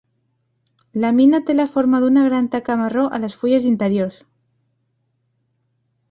La mina té la forma d'una gran taca marró a les fulles inferiors.